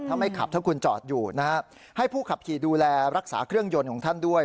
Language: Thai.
ถ้าไม่ขับถ้าคุณจอดอยู่นะฮะให้ผู้ขับขี่ดูแลรักษาเครื่องยนต์ของท่านด้วย